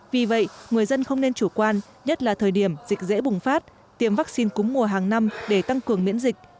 vì vậy người dân không nên chủ quan nhất là thời điểm dịch dễ bùng phát tiêm vaccine cúng mùa hàng năm để tăng cường miễn dịch